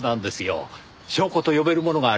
証拠と呼べるものがあります。